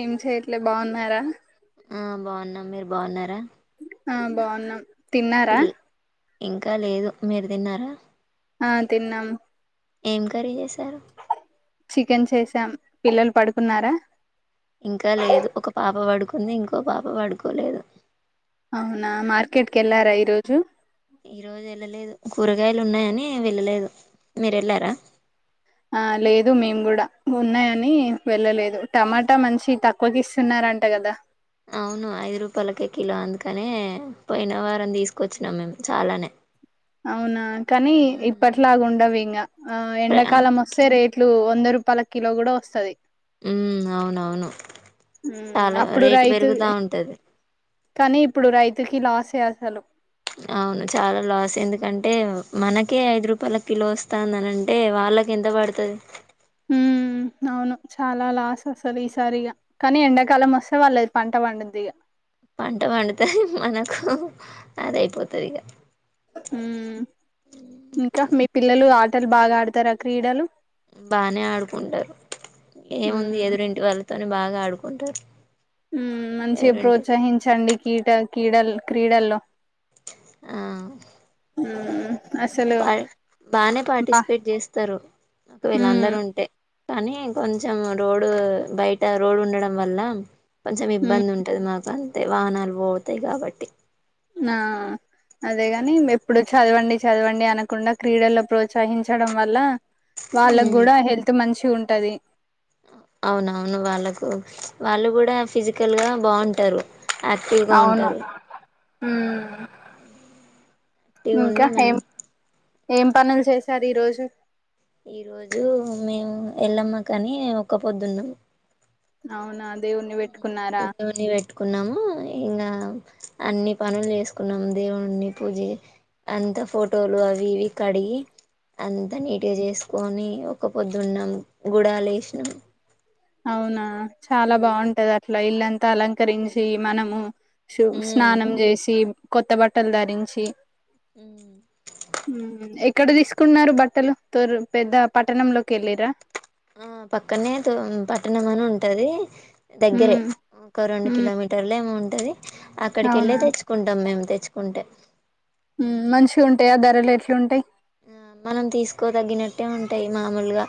ఏం చే ఇట్లే బాగున్నారా ఆ బాగున్నాం మీరు బాగున్నారా ఆ బాగున్నాం తిన్నారా పిల్ ఇంకా లేదు మీరు తిన్నారా ఆ తిన్నాం ఏం కర్రి చేసారు చికెన్ చేసాం పిల్లలు పడుకున్నారా ఇంకా లేదు ఒక పాప పడుకుంది ఇంకో పాప పడుకోలేదు అవునా మార్కెట్ మ్మ్. కేళ్లారా ఈరోజు కురగాయలు ఉన్నాయని వెళ్ళలేదు మీర వెళ్ళార ఆ లేదు మేము కూడ ఉన్నాయని వెళ్ళలేదు టమాటా మంచి తక్కువకి ఇస్తున్నారంట కదా అవును ఐదు రూపాయలకే కిలో అందుకనే పోయిన వారం తీసుకొచ్చినాం మేము చాలానే అవునా కానీ ఇప్పట్లాగన్డవు ఇంగ ఆ ఎండాకాలం వస్తే రేట్లు వంద రూపాయల కిలో కూడ వస్తది ఉమ్ అవునవును ఉ చాలా అప్పుడు రేటు రైతు పెరుగుతా ఉంటది కానీ ఇప్పుడు రైతుకి లాస్ చే అసలు అవును చాలా లాస్ ఎందుకంటే మనకే ఐదు రూపాయల కిలో వస్తందినింటే వాళ్ళకి ఎంత పడుతది. ఉ అవును చాలా లాస్ అసలు ఈసారిగా కానీ ఎండాకాలం వస్తే వాళ్ళ లేదు పంట పడుద్దిగా. పంట పండితే మనకు అదయిపోతుంది ఇక ఊ ఇంకా మీ పిల్లలు ఆ ఆటలు బాగా ఆడతార ఆ క్రీడలు. బానే ఆడుకుంటారు ఏముంది. మ్మ్ ఎదురింటి వాళ్ళతో అని బాగా ఆడుకుంటారు. ఉ మంచిగా ఎదురింటి ప్రోత్సహించండి. కీట కీడ క్రీడల్లో ఆ మ్మ్ అసలు బానే బా పార్టిసిపేట్ చేస్తారు, మ్మ్ ఒకవేళ్ళందరు ఉంటే కానీ కొంచెం రోడు బయట, రోడ్ ఉండడం వల్ల కొంచెం ఇబ్బంది మ్మ్ ఉంటది మాకు. యి వాహనాలు పోతాయి కాబట్టి ఆ అదేగాని ఎప్పుడు చదవండి, చదవండి అనకుండా క్రీడల్లో ప్రోత్సహించడం వల్ల వాళ్ళకి కూడా హెల్త్ మంచి వచ్చి ఉంటది. అవునవును వాళ్ళకు వాళ్ళు కూడా ఫిజికల్ గా బాగుంటారు. యాక్టివ్ గా ఉంటారు. హ ఇగోండి మంచి ఏం పనులు చేశారు ఈ రోజు. ఈ రోజు మేము ఎళ్లమ్మ కానీ ఒక్క పొద్దున్నాం అవునా దేవుణ్ణి పెట్టుకున్నారా దేవుని పెట్టుకున్నాము ఇంకా అన్ని పనులు చేసుకున్నాం. దేవుని పూజ అంత ఫోటోలు అవి ఇవి కడిగి అంతా నీట్గా చేసుకొని ఒక పొద్దున్నాం గుడాలు వేసినాం. అవునా చాలా బాగుంటది అట్ ల ఇల్లంతా అలంకరించి మనము సు ఉమ్ స్నానం చేసి కొత్త బట్టలు ధరించి ఉ [unintelligible] మ్మ్ ఎక్కడ తీసుకున్నారు బట్టలు తొర్ పెద్ద పట్టణంలోకి ఎల్లిర ఆ పక్కనే పట్టణం అని ఉంటది. దగ్గరే మ్మ్ ఒక రెండు మ్మ్ కిలోమీటర్లే ఏమో ఉంటది అక్కడికి ఎళ్ళే అవునా తెచ్చుకుంటాం మేము తెచ్ ఉంటే మంచి ఉంటాయా ధరలు ఎట్లు ఉంటయి ఆ మనం తీసుకో తగ్గినట్టే ఉంటాయి మామూలగ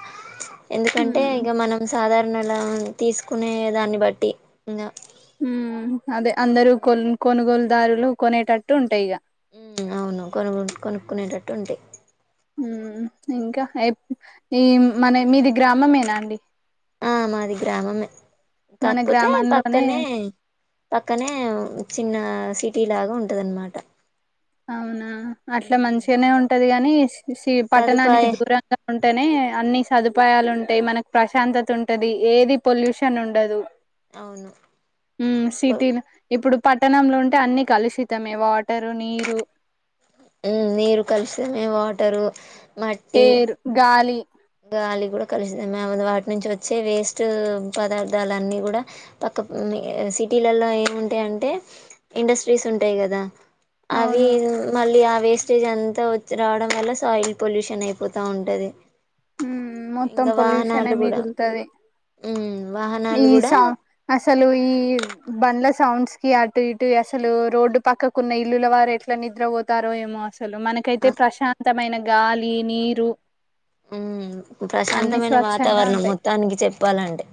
ఎందుకంటే మ్మ్ ఇక మనం సాధార లా తీసుకునే దాన్ని బట్టి ఇంగ ఉ అదే అందరు కొల్ కొనుగొల్ దారులు కొనేటట్టు ఉంటాయి ఇగ అవును కొను కొనుక్కునేట ట్ వుంటాయ్ హు ఇంక ఏ ఈ మనే మీది గ్రామమేన అండి ఆ మాది గ్రామమే మన కాకపోతే గ్రామంలోనే పక్కనే పక్కనే చిన్న సిటీ పటీ లాగా ఉంటదనమాట అవునా అట్లా మంచిగానే ఉంటది గానీ ఉస్ శ సదుపాయ పట్టణానికి దూరంగా ఉ వెంటనే అన్ని సదుపాయాలు ఉంటాయి మనకు ప్రశాంతత ఉంటది ఏది పొల్యూషన్ ఉండదు అవును శీతిన్ ఇప్పుడు పట్టణంలో ఉంటే అన్ని కలుషితమే వాటర్ నీరు బరు నీరు కలిసమే వాటరు మట్టి హేరు గాలి గాలి కూడా కలిసిందిా మేము వాటి నుంచి వచ్చే వేస్ట్ పదార్థాలు అన్నిీ కూడా పక్క సిటీలలో ఏముంటాయంటే ఇండస్ట్రీస్ ఉంటాయి కదా అవి అవును మళ్ళీ అవి వేస్టేజ్ అంతా వ రావడం వల్ల సాయిల్ పొల్యూషన్ అయిపోతా ఉంటది ఉ మొత్తం పొల్యూషన్ మిగుల్తది అవు ఈ సా అసలు ఈ బంలస్ సౌండ్స్ కి అటు ఇటు అసలు రోడ్డు పక్కకున్న ఇల్లుల వారు ఎట్లా నిద్రపోతారో ఏమో అస లు ఆ, మనకైతే ప్రశాంతమైన గాలి నీరు హ్మ్ అన్ని ప్రశాంతమైన స్వచ్ఛంగా వాతావరణం ఉంటాయి మొత్తానికి చెప్పాలంటే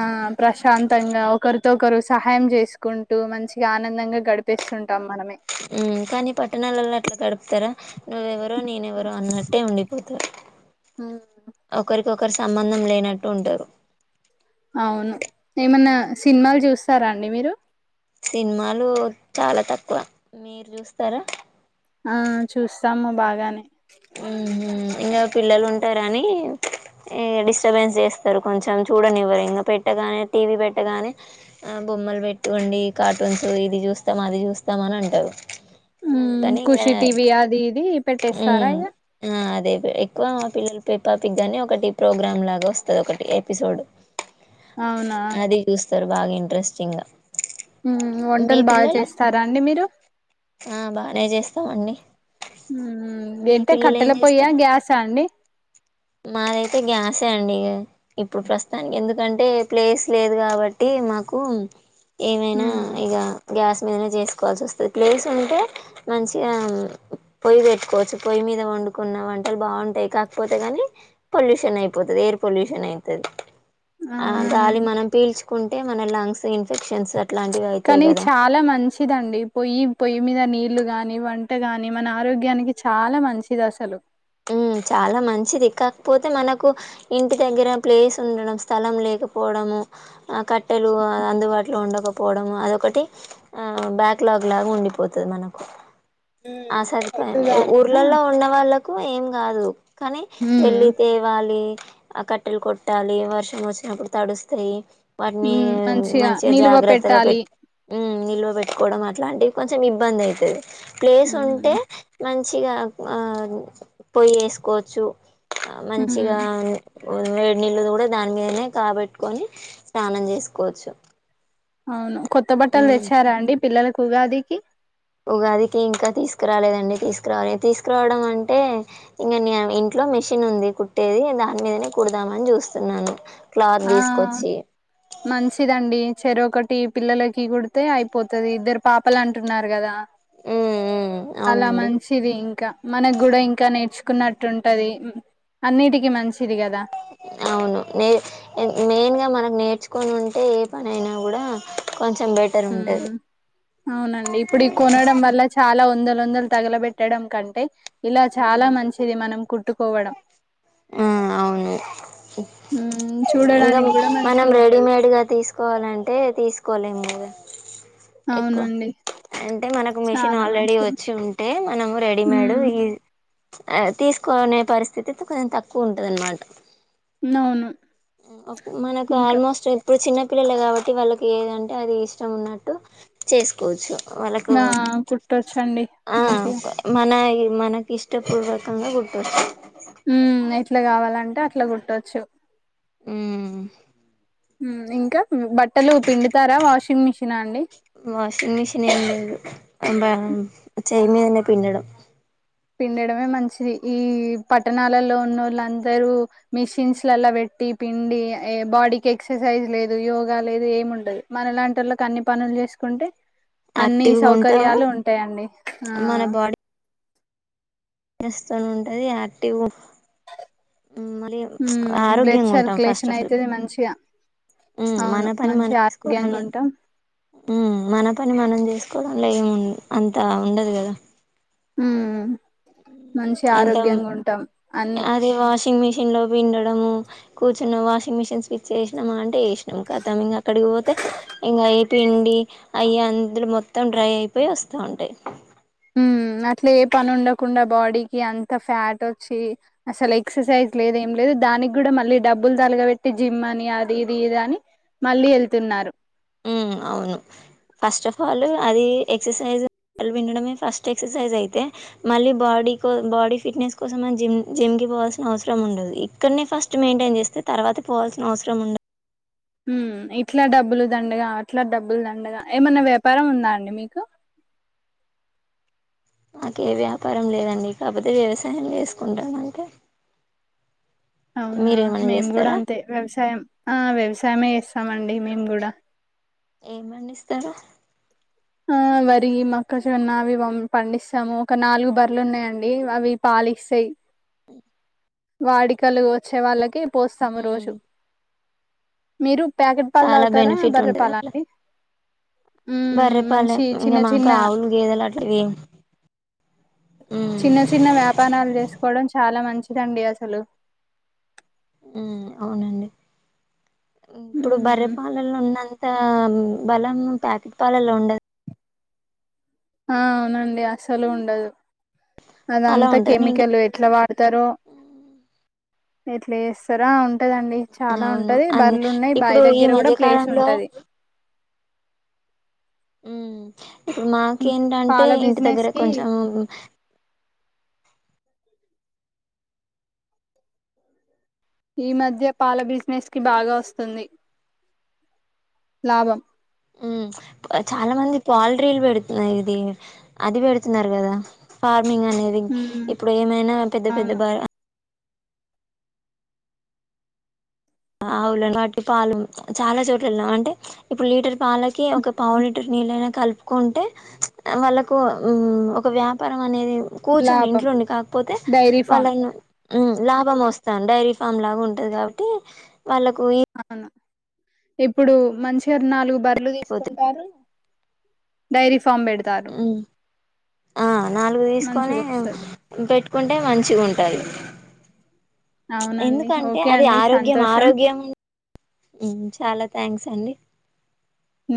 ఆ ప్రశాంతంగ ఒకరు ఒకరు సహాయం చేసుకుంటూ మంచిగా ఆనందంగా గడిపేస్తుంటాం మనమే హ్మ్ కానీ పట్టణాలలో అట్ల గడుపుతారా నువ ఎవ నువ్ ఎవరో నేన్ వరో అన్నట్టే ఉండిపోత తే హ్మ్ ఒకరు సంబంధం లేనట్టు ఉంటారు అవును ఏమన్నా సినిమాలు చూస్ స్తారా అండి మీరు సినిమాలు చాలా తక్కువ మీరు చూస్తారా ఆ చూస్తాము బాగానే మ్ హ్మ్ మ్మ్ ఇంగా పిల్లలు ఉంటారని యే డిస్టర్బెన్స్ చేస్తారు, కొంచెం చూడనివ్వరు ఇంగ పెట్టగానే టీవీ పెట్టగానే ఆ బొమ్మలు పెట్టు అండి కార్టూన్స్ ఇది చూస్తాం, అది చూస్తాం అని అంటరు. మ్మ్ ఖుషి టీవి అది ఇది పెట్టేస్ మ్మ్ ఆ ఆ అదే అదే ఎక్కువ పిల్లల పేపాపిక్ గాని ఒకటి ప్రోగ్రామ్ లాగా వస్తుంది ఒకటి ఎపిసోడ్ అవునా తర్ బాగా ఇంట్రెస్టింగా వంటలు బాగా చేస్తారా అండి మీరు సమండి మ్మ్ ఏంటే కట్టెల పోయ్యా గ్యాసా అండి మాదైతే గ్యాసే అండి ఇప్పుడు ప్రస్తానికి ఎందుకంటే ప్లేస్ లేదు కాబట్టి మాకు, ఏమైనా మ్మ్ ఇగ గ్యాస్ మీదనే చేసుకోవాల్సి వస్తది ప్లేస్ ఉంటే మంచిగా పొయ్యి పెట్టుకోవచ్చు, పొయ్యి మీద వండుకున్న వంటలు బాగుంటాయి కాకపోతే కానీ, పొల్యూషన్ అయిపోతది ఎయిర్ పొల్యూషన్ అయితది ఆ గాలి అవునండి మనం పీల్చు కుంటే మన లంగ్స్ ఇన్ఫెక్షన్ కానీ చాలా మంచిదండి పొయ్యి పొయ్యి మీద నీళ్లు గాని వంట గాని మన ఆరోగ్యానికి చాలా మంచిది అసలు మ్మ్ చాలా మంచిది కాకపోతే మనకు ఇంటి దగ్గర ప్లేస్ ఉండడం స్థలం లేకపోవడము ఆ కట్టెలు అందుబాటులో ఉండకపోవడము అదొకటి ఆ బ్యాక్లాగ్ లాగా ఉండిపోతది మనకు ఆ ఉమ్ సదుపాయం ఎక్కువ కాకుండా ఊర్లలో ఉన్న వాళ్ళకు కు ఏం కాదు కానీ వెళ్ళి ఉమ్ తేవాలి ఆ కట్టెలు కొట్టాలి వర్షం వచ్చినప్పుడు తడుస్తాయి వాటిని మంచిగా నిలువ జాగ్రత్తగా పెట్టాలి పెట్ హు నిల్వ పెట్టుకోవడం అట్లాంటివి కొంచెం ఇబ్బంది అయితది ప్లేస్ ఉంటే ఉమ్ మంచి మంచిగా పొయ్యి వేసుకోవచ్చు మంచిగా ఉమ్ వేడు నిళ్ళు కూడా దాని మీదనే కాగబెట్టుకొని స్నానం చేసుకోవచ్చు అవును కొత్త బట్టలు ఉమ్ తెచ్చారా అండి పిల్లలకు ఉగాదికి ఉగాదికి ఇంకా తీసుకురాలేదండి తీసుకురావాలి తీసుకురావడం అంటే ఇంక న ఇంట్లో మెషిన్ ఉంది కుట్టేది దాని మీదనే కుడదామని చూస్తున్నాను క్లాత్ ఆ తీసుకొచ్చి మంచిదండి చెరి ఒకటి పిల్లలకి కుడితే అయిపోతది ఇద్దరు పాపలు అంటున్నారు కదా ఉమ్ ఉమ్ అలా అవునండి మంచిది ఇంకా మనకు కూడా ఇంకా నేర్చుకో కున్నట్టు ఉంటది అన్నిటికి మంచిది కదా అవును నే మెయిన్ గా మనకు నేర్చుకొనింటే ఏ పని అయినా కూడా కొంచెం బెటర్ హు ఉంటది అవునండి ఇప్పుడు ఈ కొనడం వల్ల చాలా వంద వందలు తగలబెట్టడం కంటే ఇలా హు చాలా మంచిది మనం కుట్టుకోవడం ఆ అవును మ్మ్ ఇంకా చూడడానికి కూడా మనం మంచిగా ఉంటది రెడీమేడ్గా తీసుకోవాలంటే తీసుకోలేం కదా ఎక్కువ అవునండి అంటే మనకు మిషన్ చాలా ఆల్రెడీ మంచిది వచ్చి ఉంటే మనం రెడీమేడ్ మ్మ్ ఈ ఆ తీసుకునే పరిస్థితి కొంచెం తక్కువ ఉంటది అన్నమాట అవును మనకు ఇంకా ఆల్మోస్ట్ ఇప్పుడు చిన్న పిల్లలు కాబట్టి వాళ్ళకి ఏదంటే అది ఇష్టం ఉన్నట్టు చేసుకోవచ్చు వాళ్ళకు ఆ కుట్టొచ్చండి ఆ మంచిగా మన మనకి ఇష్టపూర్వకంగా కుట్టోచ్చు హు ఎట్లా కావాలంటే అట్లా కుట్టొచ్చు హు ఇంకా బట్టలు పిండుతారా వాషింగ్ మిషిన్ అండి అబా చైమీదనే పిండడం పిండడమే మంచిది ఈ పట్టణాలలో ఉన్న వాళ్ళందరూ మిషిన్స్లలా పెట్టి పిండి బాడీకి ఎక్సర్సైజ్ లేదు యోగా లేదు ఏమి ఉండదు మనలాంటి వాళ్ళకి అన్ని పనులు చేసుకుంటే అన్నిీ యాక్టివ్గా ఉంటాము సౌకర్యాలు ఉంటాయండి ఆ స్తూ ఉంటది యాక్టివ్ మళ్రిీ మ్మ్ బ్లడ్ ఆరోగ్యంగా ఉంటాం ఫస్ట్ సర్క్యులేషన్ ఆఫ్ ఆల్ అయితది మంచిగా హు అవును మన పని మంచి మనం ఆరోగ్యంగా తీేసుకోవడంలో ఉంటాం హు మన పని మనం చేసుకోవడంలా ఏం అంత ఉండదు కదా హు ఎంత అన్ని అది వాషింగ్ మిషిన్ లో పిండ డము కూర్చొని వాషింగ్ మిషన్ స్విచ్ వేశినము అంటే వేసినము కతం ఇంకా అక్కడికి పోతే ఇంకా ఏ పిండి అయ అందరు మొత్తం డ్రై అయిపోయి వస్తూ ఉంటాయి ఉ అట్లా ఏ పని ఉండకుండా బాడీకి అంత ఫ్యాట్ వచ్చి అసలు ఎక్సర్సైజ్ లేద ఏం లేదు దానికి కూడా మళ్ళీ డబ్బులు తలగబెట్టి జిమ్ అని అది ఇది ఇది అని మళ్ళీ వెళ్తున్నారు ఉ అవును ఫస్ట్ ఆఫ్ ఆల్ అది ఎక్సర్సైజ్ విండడమే ఫస్ట్ ఎక్సర్సైజ్ అయితే మళ్ళీ బాడీ కో బాడీ ఫిట్నెస్ కోసం జిమ్ జిమ్కి పోవాల్సిన అవసరం ఉండదు ఇక్కడనే ఫస్ట్ మెయింటైన్ చేస్తే తర్వాత పోవాల్సిన అవసరం ఉండదు ఉ ఇట్లా డబ్బులు దండగ అట్లా డబ్బులు దండగ ఏమన్నా వ్యాపారం ఉందా అండి మీకు మాకే వ్యాపారం లేదండి ఇకపోతే వ్యవసాయం చేసుకుంటామ అంటే అవునా మీరేమైనా మేము గూడా చేస్తారా అంతే వ్యవసాయం ఆ వ్యవసాయే వస్తామండి మేము గూడా ఏమ్ పండిస్తారు ఆ వరి మొక్కజొన్న అవి పండిస్తాము ఒక నాలుగు బర్రలు ఉన్నాయంండి అవి పాలిస్తాయి అ వాడికలు వచ్చే వాళ్ళకి పోస్తాము మ్మ్ రోజు మీరు ప్యాకెట్ పాలు చాలా తావుతారా బర్రె పాల అండి బర్రె ఉమ్ పాల మంచి చిన్న ఇంకా చిన్న మాకు ఆవులు గేదలా త్రి చిన్న చిన్న వ్యాపారాలు జేసుకోవడం చాలా మంచి ండిఅ సలు ఊ అవునండి ఇప్పుడు ఉమ్ బర్రెపాలలో ఉన్నంత బలం ప్యాకెట్ పాలల్లో ఉండదు ఆ అవునండి అసలు ఉండదు అలా అదంతా ఉంటది నేను కెమికల్ ఎట్లా వాడతారో ఎట్లా జేస్తరా ఉ ఉంటదండి చాలా అవును ఉంటది అ బర్రెలు ఉన్నాయి బాయి ఇప్పుడు ఈ దగ్గర కూడా ప్లేస్ మధ్యకాలంలో ఉంటది ఉ ఇ మాకేంటంటే పాల ఇంటి దగ్గర బిజినెస్ కి కొంచెం ఈ మధ్య పాల బిజినెస్ కి బాగా వస్తుంది లాభం ఊ చాలా మంది పౌల్ట్రీలు పెడుతున్నారు ఇది అది పెడుతున్నారు కదా ంగ్ అనేది ఉమ్ ఇప్పుడు ఏమైనా పెద్ద పెద్ద అవును బ ఆవులను వట్టి పాలు చాలా చోట్ల యెళ్ళాం అంటే ఇప్పుడు లీటర్ పాల ఒకే ఒక పావు లీటర్ నీళ్లైన కల్పి కుంటే వాళ్ళకు ఒక వ్యాపారం అనేది కూర్చొని లాభం ఇంట్లోండి కాకపోతే డైరీ ఫామ్ వాళ్ళని లాభం వస్తాను డైరీ ఫామ్ లాగా ఉంటది కాబట్టి వాళ్ళకు అవునా ఇప్పుడు మంచిర నాలుగు బర్ ఇళ్లు ఈపోతు తీసుకుంటారు డైరి ఆ నాలుగు తీసుకొని మంచిగా వస్తది పెట్టుకుంటే మంచిగా ఉంటంది సరే అవునండి ఎందుకంటే ఓకే అది అండి ఆరోగ్యం సంతోషం ఆరోగ్యం చాలా థ్యాంక్స్ అండి హ